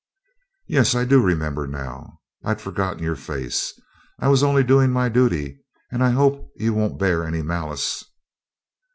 'Yes, I do remember now. I'd forgotten your face. I was only doing my duty, and I hope you won't bear any malice.'